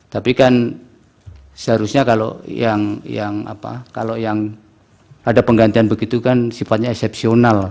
tapi kan seharusnya kalau yang ada penggantian begitu kan sifatnya eksepsional